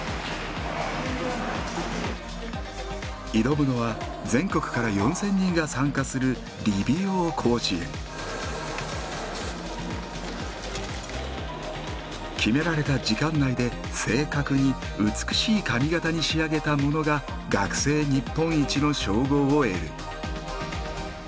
挑むのは全国から４，０００人が参加する決められた時間内で正確に美しい髪形に仕上げたものが学生日本一の称号を得る。